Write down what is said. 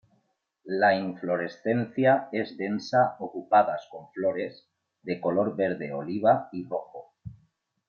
La inflorescencia es densa ocupadas con flores, de color verde oliva y rojo.